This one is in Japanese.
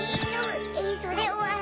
えそれは。